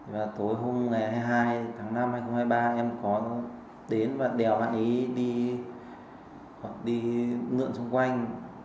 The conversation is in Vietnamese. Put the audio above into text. và tối hôm ngày hai mươi hai tháng năm hai nghìn hai mươi ba em có đến và đèo bạn ấy đi hoặc đi ngượn xung quanh